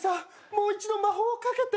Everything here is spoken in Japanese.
もう一度魔法をかけて。